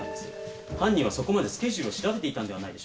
犯人はそこまでスケジュールを調べていたのではないでしょうか。